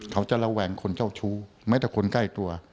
เขาจะระแวงคนเจ้าชู้ไม่แต่คนใกล้ตัว